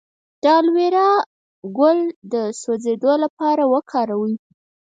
د الوویرا ګل د سوځیدو لپاره وکاروئ